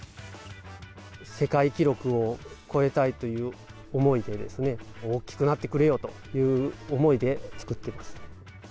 世界記録を超えたいという思いでですね、大きくなってくれよという思いで作っています。